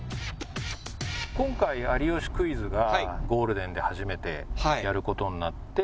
今回『有吉クイズ』がゴールデンで初めてやる事になって。